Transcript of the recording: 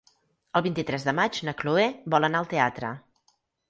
El vint-i-tres de maig na Chloé vol anar al teatre.